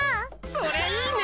それいいね。